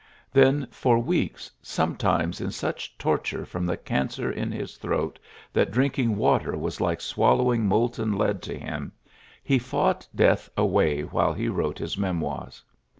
Then for weeks, sometimes in such torture from the cancer in his throat that drinking water was like swallowing molten lead to him^ he fought death away while he wrote his memoirs.